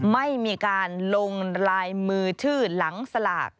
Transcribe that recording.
ไม่มีการลงลายมือชื่อหลังสลาก